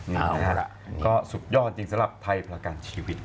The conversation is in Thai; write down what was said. นี่แหละก็สุดยอดจริงสำหรับไทยประกันชีวิต